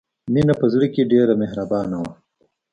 مینه په زړه کې ډېره مهربانه وه